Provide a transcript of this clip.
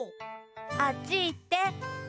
あっちいって。